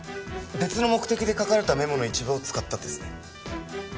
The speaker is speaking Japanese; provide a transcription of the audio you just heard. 別の目的で書かれたメモの一部を使ったんですね。